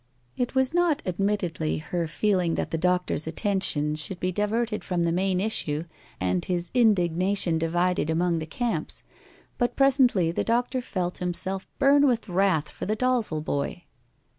It was not admittedly her feeling that the doctor's attention should be diverted from the main issue and his indignation divided among the camps, but presently the doctor felt himself burn with wrath for the Dalzel boy.